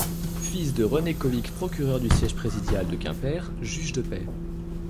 Fils de René Coïc procureur du siège présidial de Quimper, juge de paix.